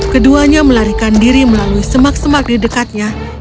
keduanya melarikan diri melalui semak semak di dekatnya